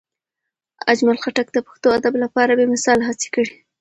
اجمل خټک د پښتو ادب لپاره بې مثاله هڅې کړي.